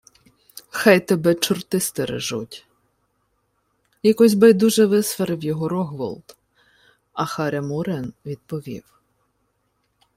— Хай тебе чорти стережуть, — якось байдуже висварив його Рогволод, а Харя Мурин відповів: